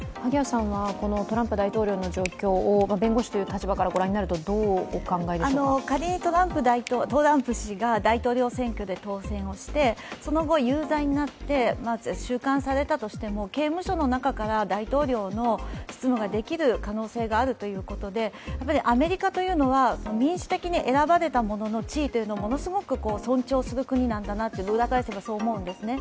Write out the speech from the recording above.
このトランプ大統領の状況を、弁護士という立場から見て仮にトランプ氏が大統領選挙で当選してその後、有罪になって収監されたとしても刑務所の中から大統領の執務ができる可能性があるということでアメリカというのは、民主的に選ばれたものの地位をものすごく尊重する国なんだなと裏を返せば思うんですね。